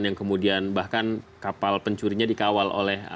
yang kemudian bahkan kapal pencurinya dikawal oleh